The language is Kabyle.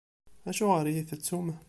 Acuɣeṛ i iyi-tettum?